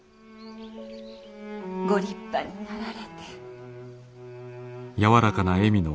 ご立派になられて。